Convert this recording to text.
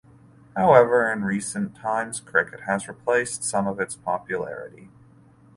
However, in recent times cricket has replaced some of its popularity.